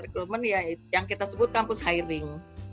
recruitment yang kita sebut kampus hiring